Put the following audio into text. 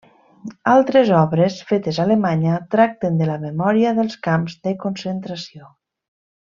Altres obres, fetes a Alemanya, tracten de la memòria dels camps de concentració.